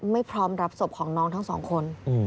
ไม่พร้อมรับศพของน้องทั้งสองคน